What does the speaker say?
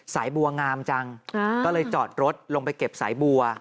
สายบัวงามจังก็เลยจอดรถลงไปเก็บสายบัว